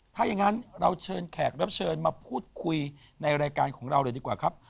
หลังนี้งั้นเราเชิญแขกรับเชิญมาพูดคุยนะในรายการของเราเดี๋ยวกว่าครับ